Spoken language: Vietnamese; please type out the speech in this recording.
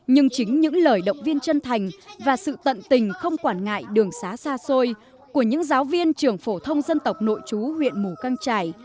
nhưng chính những lời động viên chân thành và sự tận tình không quản ngại đường xá xa xôi của những giáo viên trường phổ thông dân tộc nội chú huyện mù căng trải